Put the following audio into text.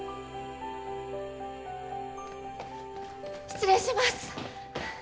失礼します！